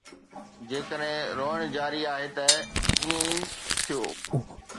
۽ جيڪڏهن روئڻ جاري آهي، ته ائين ئي ٿيو.